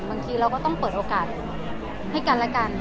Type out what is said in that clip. บางทีเราก็ต้องเปิดโอกาสให้กันและกัน